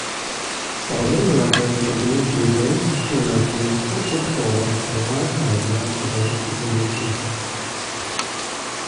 Powell was a prominent liberal theologian who put forward advanced ideas about evolution.